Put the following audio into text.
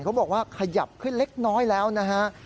เขาบอกว่าขยับขึ้นเล็กน้อยแล้วนะฮะ